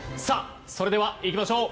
それではいきましょう。